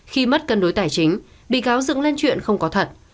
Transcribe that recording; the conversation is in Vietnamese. khi mất cân đối tài chính bị cáo dựng lên chuyện không có thật